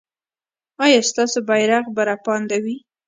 ایا ستاسو بیرغ به رپانده وي؟